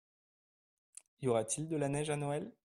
Y aura-t-il de la neige à Noël ?